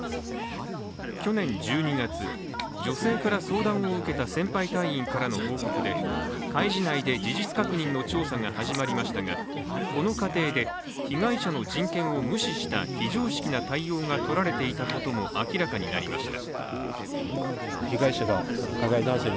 去年１２月、女性から相談を受けた先輩隊員からの報告で海自内で事実確認の調査が始まりましたが、この過程で、被害者の人権を無視した非常識な対応が取られていたことも明らかになりました。